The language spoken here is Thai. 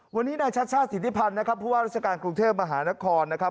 วันนี้นายชัชชาติสิทธิพันธ์นะครับผู้ว่าราชการกรุงเทพมหานครนะครับ